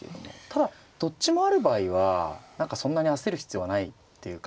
ただどっちもある場合は何かそんなに焦る必要はないっていうか。